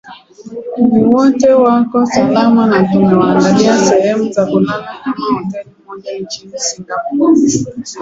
ni wote wako salama na tumewaandalia sehemu za kulala katika hoteli moja nchini singapore